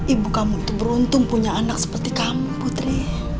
ibu kamu itu beruntung punya anak seperti kamu putri